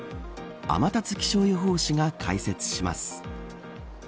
天達気象予報士が解説します。